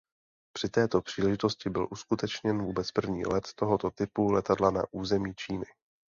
Při této příležitosti byl uskutečněn vůbec první let tohoto typu letadla na území Číny.